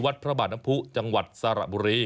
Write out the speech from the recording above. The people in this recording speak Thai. วัดพระบาทนัมพุจังหวัดสระบุรี